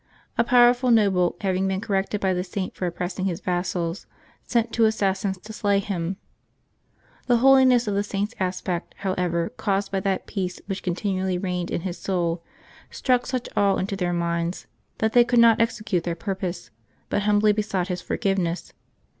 A powerful noble, having been corrected by the Saint for oppressing his vassals, sent two assassins to slay him. The holiness of the Saint's aspect, however, caused by that peace which continually reigned in his soul, struck such awe into their minds that they could not execute their purpose, but humbly besought his forgiveness.